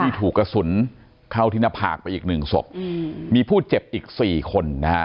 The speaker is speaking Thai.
ถูกกระสุนเข้าที่หน้าผากไปอีกหนึ่งศพมีผู้เจ็บอีกสี่คนนะฮะ